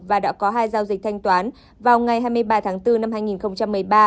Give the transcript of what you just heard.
và đã có hai giao dịch thanh toán vào ngày hai mươi ba tháng bốn năm hai nghìn một mươi ba